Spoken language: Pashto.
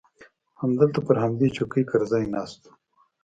همدلته پر همدې چوکۍ کرزى ناست و.